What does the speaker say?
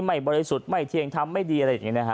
บริสุทธิ์ไม่เทียงทำไม่ดีอะไรอย่างนี้นะฮะ